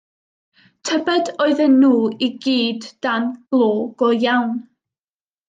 Tybed oedden nhw i gyd dan glo go iawn?